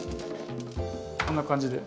こんな感じで。